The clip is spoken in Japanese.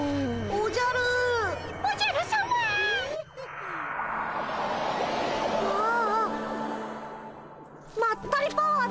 おじゃあ。